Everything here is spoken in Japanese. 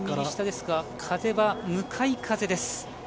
風は向かい風です。